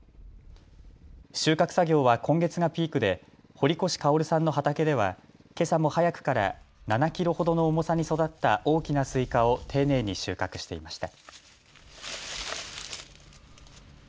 収穫作業は今月がピークで堀越薫さんの畑では、けさも早くから７キロほどの重さに育った大きなスイカを丁寧に収穫していました。